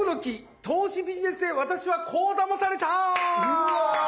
うわ！